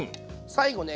最後ね